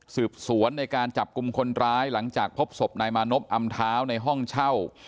สืบสวนในการจับกลุ่มคนร้ายหลังจากพบศพนายมานบอำเท้าในห้องเช่า